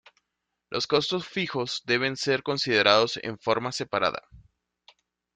Los costos fijos deben ser considerados en forma separada.